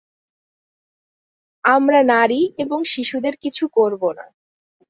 আমরা নারী এবং শিশুদের কিছু করব না।